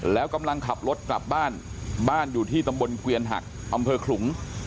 แล้วกำลังขับรถกลับบ้านบ้านอยู่ที่ตำบลเกวียนหักอำเภอขลุง